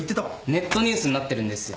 ネットニュースになってるんですよ。